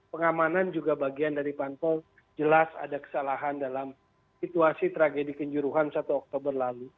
pengamanan juga bagian dari panpol jelas ada kesalahan dalam situasi tragedi kejuruhan satu oktober lalu